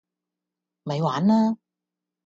咪玩啦